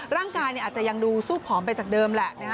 ร่างกายอาจจะยังดูสู้ผอมไปจากเดิมแหละ